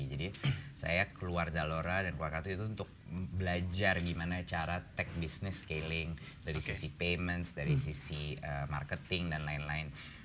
jadi saya keluar zalora dan keluar kartuku itu untuk belajar gimana cara tech business scaling dari sisi payments dari sisi marketing dan lain lain